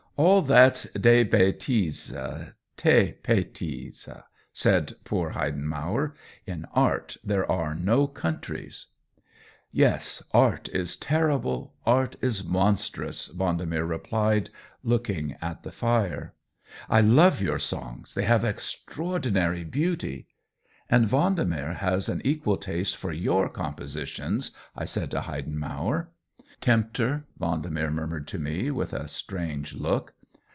All that's des bHises — tes pitisses,^^ said poor Heidenmauer. " In art there are no countries." 9 1 130 COLLABORATION "Yes, art is terrible, art is monstrous," Vendemer replied, looking at the fire. " I love your songs — they have extraor dinary beauty." " And Vendemer has an equal taste for your compositions," I said to Heidenmauer. " Tempter !" Vendemer murmured to me, with a strange look.